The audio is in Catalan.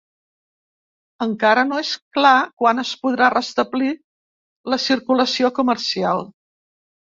Encara no és clar quan es podrà restablir la circulació comercial.